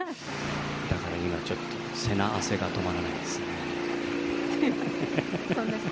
だから今ちょっと、せな汗が止まらないですね。